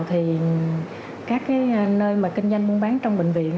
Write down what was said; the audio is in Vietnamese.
thì các nơi mà kinh doanh muốn bán trong bệnh viện